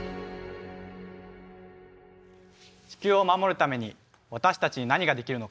地球を守るために私たちに何ができるのか？